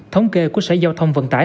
thống kê của sở giao thông vận tải